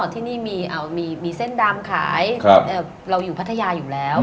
ที่นี่มีเส้นดำขายเราอยู่พัทยาอยู่แล้ว